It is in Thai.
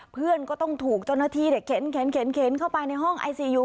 เพื่อนก็ต้องถูกเจ้าหน้าที่เนี่ยเข็นเข็นเข็นเข็นเข็นเข้าไปในห้องไอซียู